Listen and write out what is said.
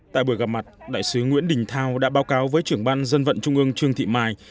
tại buổi gặp mặt đại sứ nguyễn đình thao đã báo cáo với trưởng ban dân vận trung ương trương thị mai